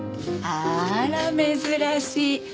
あら珍しい。